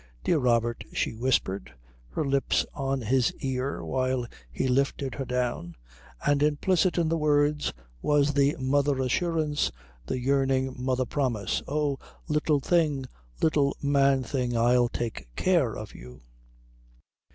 "Dear Robert," she whispered, her lips on his ear while he lifted her down; and implicit in the words was the mother assurance, the yearning mother promise, "Oh, little thing, little man thing, I'll take care of you."